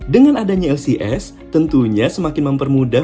dengan adanya lcs tentunya semakin mempermudah